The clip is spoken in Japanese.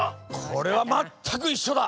これはまったくいっしょだ。